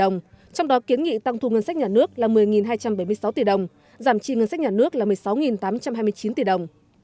ngân sách nhà nước là một mươi hai trăm bảy mươi sáu tỷ đồng giảm chi ngân sách nhà nước là một mươi sáu tám trăm hai mươi chín tỷ đồng